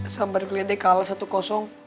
sabar lihat deh kalah satu kosong